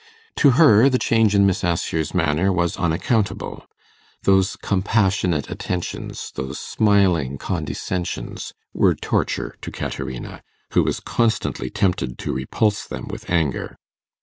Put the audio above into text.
To her the change in Miss Assher's manner was unaccountable. Those compassionate attentions, those smiling condescensions, were torture to Caterina, who was constantly tempted to repulse them with anger.